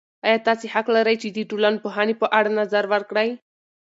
ایا تاسې حق لرئ چې د ټولنپوهنې په اړه نظر ورکړئ؟